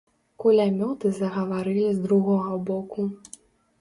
Кулямёты загаварылі з другога боку.